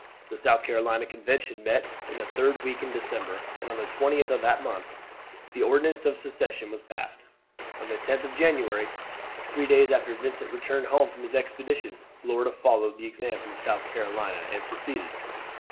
The South Carolina Convention met in the third week in December, and on the 20th of that month the Ordinance of Secession was passed. On the 10th of January, three days after Vincent returned home from his expedition, Florida followed the example of South Carolina and seceded.